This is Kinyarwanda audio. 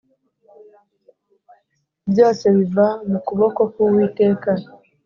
byose biva mu kuboko k’Uwiteka